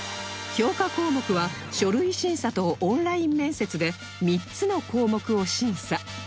評価項目は書類審査とオンライン面接で３つの項目を審査